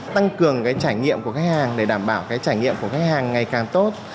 tăng cường trải nghiệm của khách hàng để đảm bảo cái trải nghiệm của khách hàng ngày càng tốt